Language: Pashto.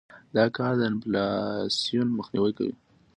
دا کار د انفلاسیون مخنیوى کوي.